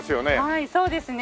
はいそうですね